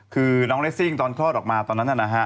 คือน้องเรสซิ่งตอนคลอดออกมาตอนนั้นนะฮะ